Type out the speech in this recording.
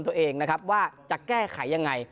ตัวเองนะครับว่าจะแก้ไขยังไง